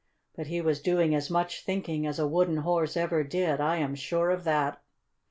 But he was doing as much thinking as a wooden horse ever did; I am sure of that.